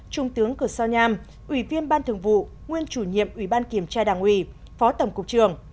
trung tướng cửa sao nham ủy viên ban thường vụ nguyên chủ nhiệm ủy ban kiểm tra đảng ủy phó tổng cục trường